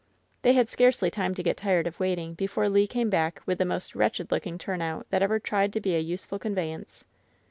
They had scarcely time to get tired of waiting before Le came back with the most wretched looking turnout that ever tried to be a useful conveyance.